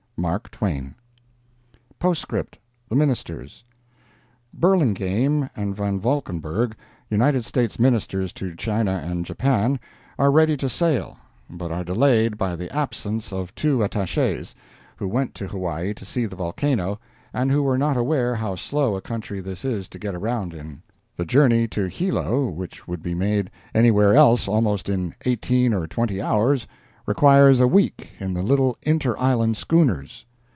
MARK TWAIN. POSTSCRIPT—THE MINISTERS Burlingame and Van Valkenburgh, United States Ministers to China and Japan, are ready to sail, but are delayed by the absence of two attaches, who went to Hawaii to see the volcano, and who were not aware how slow a country this is to get around in. The journey to Hilo, which would be made anywhere else almost in eighteen or twenty hours, requires a week in the little inter island schooners.